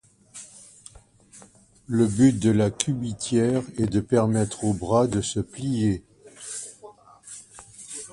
Le but de la cubitière est de permettre au bras de se plier.